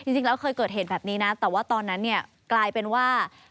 จริงแล้วเคยเกิดเหตุแบบนี้นะแต่ว่าตอนนั้นเนี่ยกลายเป็นว่า